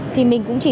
thì mình cũng chỉ